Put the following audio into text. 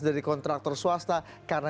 dari kontraktor swasta karena